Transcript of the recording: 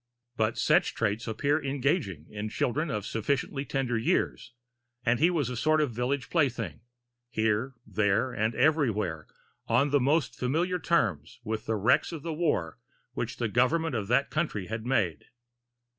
But such traits appear engaging in children of sufficiently tender years, and he was a sort of village plaything, here, there, and everywhere, on the most familiar terms with the wrecks of the war which the Government of that country had made.